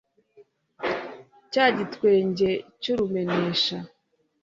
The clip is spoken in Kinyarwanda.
cya gitwenge cy'urumenesha